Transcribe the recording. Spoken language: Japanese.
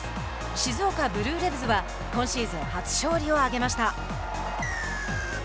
静岡ブルーレヴズは今シーズン初勝利を挙げました。